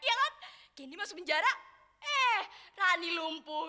iya kan kini masuk penjara eh rani lumpuh